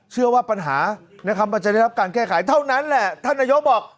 เชื่อว่าปัญหาจะได้รับการแก้ไขเท่านั้นแหละท่านอายุ๊ะบอก